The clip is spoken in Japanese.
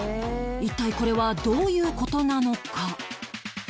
一体これはどういう事なのか？